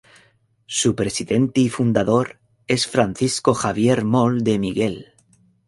Su presidente y fundador es Francisco Javier Moll de Miguel.